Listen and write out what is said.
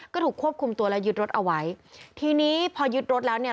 ก็ถูกควบคุมตัวและยึดรถเอาไว้ทีนี้พอยึดรถแล้วเนี่ย